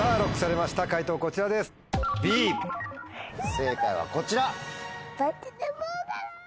正解はこちら。